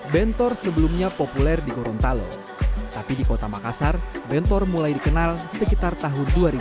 bentor sebelumnya populer di gorontalo tapi di kota makassar bentor mulai dikenal sekitar tahun dua ribu